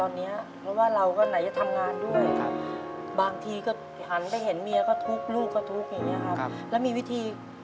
จริงแล้วันนั้นเครียดมากตอนนี้